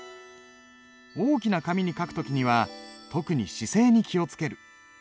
大きな紙に書く時には特に姿勢に気を付ける。